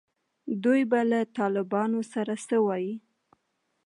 دوی به له طالبانو سره څه وایي.